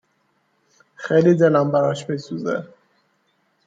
خیلی دلم براش می سوزه